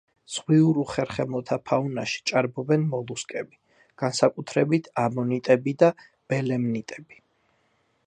ზღვიურ უხერხემლოთა ფაუნაში ჭარბობდნენ მოლუსკები, განსაკუთრებით ამონიტები და ბელემნიტები.